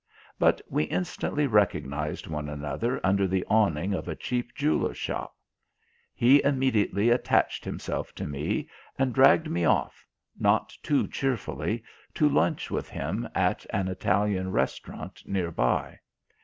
But we instantly recognised one another under the awning of a cheap jeweler's shop. He immediately attached himself to me and dragged me off, not too cheerfully, to lunch with him at an Italian restaurant near by.